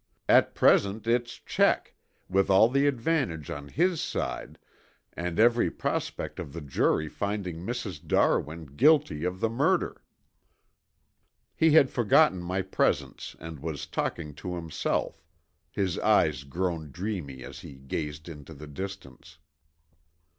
At present it's 'check,' with all the advantage on his side and every prospect of the jury finding Mrs. Darwin guilty of the murder." He had forgotten my presence and was talking to himself, his eyes grown dreamy as he gazed into the distance.